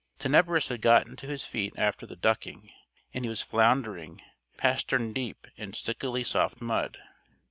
Tenebris had gotten to his feet after the ducking; and he was floundering pastern deep in stickily soft mud.